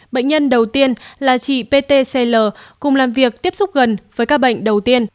bệnh nhân đầu tiên là chị pt cl cùng làm việc tiếp xúc gần với ca bệnh đầu tiên